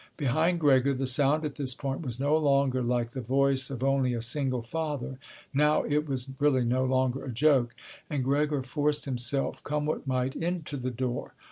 Behind Gregor the sound at this point was no longer like the voice of only a single father. Now it was really no longer a joke, and Gregor forced himself, come what might, into the door.